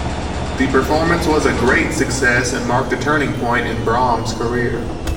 The performance was a great success and marked a turning point in Brahms's career.